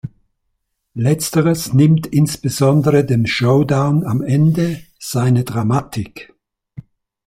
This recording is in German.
Letzteres nimmt insbesondere dem Showdown am Ende seine Dramatik.